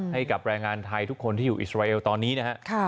ให้กับแรงงานไทยทุกคนที่อยู่อิสราเอลตอนนี้นะฮะ